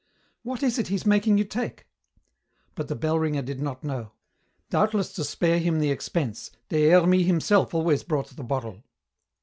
"What is it he's making you take?" But the bell ringer did not know. Doubtless to spare him the expense, Des Hermies himself always brought the bottle.